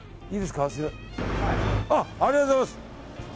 ありがとうございます。